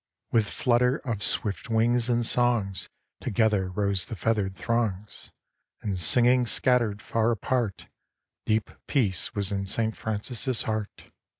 With flutter of swift wings and songs Together rose the feathered throngs, And singing scattered far apart ; Deep peace was in St. Francis' heart.